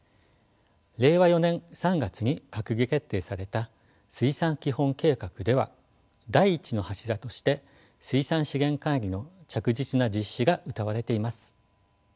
令和４年３月に閣議決定された水産基本計画では第一の柱として水産資源管理の着実な実施がうたわれています。